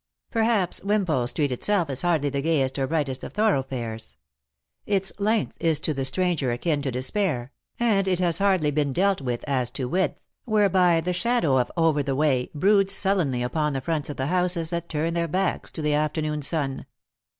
Perhaps Wimpole street itself is hardly the gayest or brightest of thoroughfares. Its length is to the stranger akin to despair, and it has been hardly dealt with as to width, whereby the shadow of over the way broods sullenly upon the fronts of the houses that turn their backs to the afternoon sun.